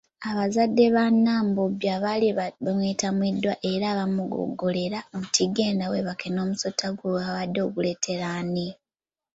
Abazadde ba Nambobya baali beetamiddwa era baamuboggolera nti genda weebake n’omusota gwo wabadde oguleetera ani?